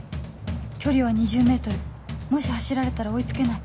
距離は ２０ｍ もし走られたら追い付けない